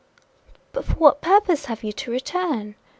"But for what purpose have you to return?"